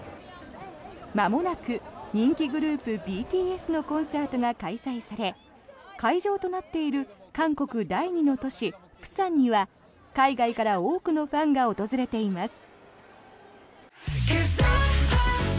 まもなく、人気グループＢＴＳのコンサートが開催され会場となっている韓国第２の都市、釜山には海外から多くのファンが訪れています。